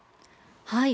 はい。